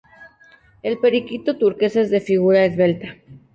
El periquito turquesa es de figura esbelta.